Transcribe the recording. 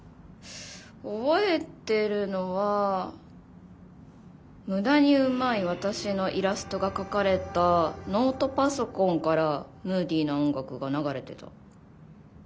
覚えてるのは無駄にうまい私のイラストが描かれたノートパソコンからムーディーな音楽が流れてた。